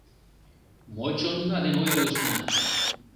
Мо чонна ден ойырлышна?